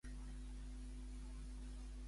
Esquerra Republicana dona suport a l'escrit?